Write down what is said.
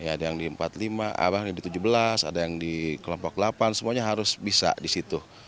ada yang di tujuh belas ada yang di kelompok delapan semuanya harus bisa di situ